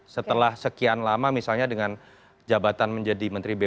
setelah sekian lama misalnya dengan jabatan menjadi menteri bumn